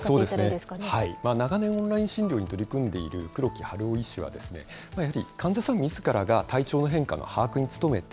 長年、オンライン診療に取り組んでいる黒木春郎医師は、やはり患者さんみずからが体調の変化の把握に努めて、